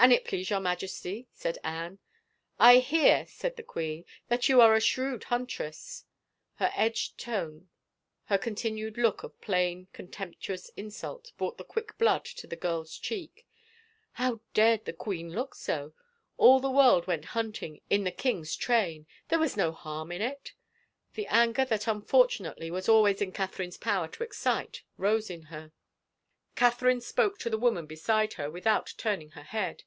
" An it please your Majesty," said Anne. " I hear," said the queen, " that you are a shrewd huntress." Her edged tone, her continued look of plain, contemptuous insult brought the quick blood to the girl's 98 THE INSULT cheek. How dared the queen look sol All the world went hunting in the king's train — there was no harm in it. The anger that unfortunately was always in Catherine's power to excite rose in her. Catherine spoke to the woman beside her, without turn ing her head.